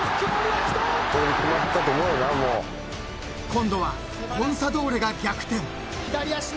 ［今度はコンサドーレが逆転］